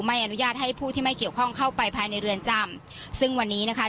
อนุญาตให้ผู้ที่ไม่เกี่ยวข้องเข้าไปภายในเรือนจำซึ่งวันนี้นะคะ